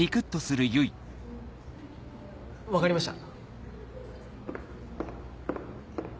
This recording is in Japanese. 分かりました。